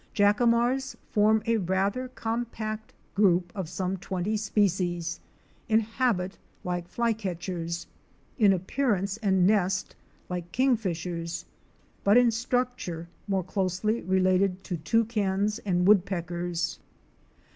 Jacamars form a rather compact group of some twenty species; in habit like Flycatchers; in appearance and nest like King fishers, but in structure more c'osely related to Toucans and Woodpeckers.